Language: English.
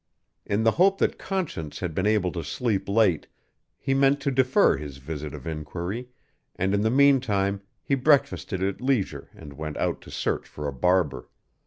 In the hope that Conscience had been able to sleep late, he meant to defer his visit of inquiry, and in the meantime he breakfasted at leisure and went out to search for a barber.